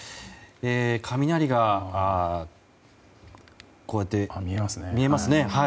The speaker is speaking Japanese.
雷がこうやって見えますね。